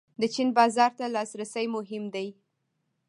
د چین بازار ته لاسرسی مهم دی